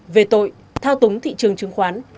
về tội thao túng thị trường chứng khoán